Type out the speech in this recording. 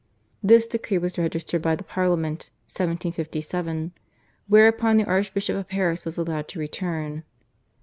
This decree was registered by the Parliament (1757), whereupon the Archbishop of Paris was allowed to return.